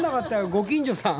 ご近所さん。